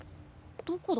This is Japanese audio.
どこだ？